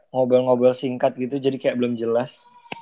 ngobrol ngobrol singkat gitu jadi kayak belum jelas